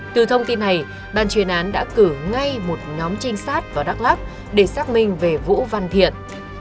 từ thông tin này ban chuyên án đã cử ngay một nhóm trinh sát vào đắk lắc để xác minh về vũ văn thiện